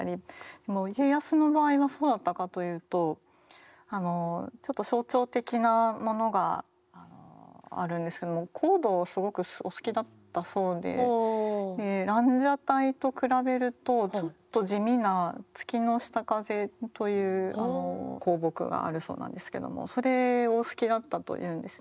でも家康の場合はそうだったかというとあのちょっと象徴的なものがあるんですけれども蘭奢待と比べるとちょっと地味な「月の下風」という香木があるそうなんですけどもそれお好きだったというんですね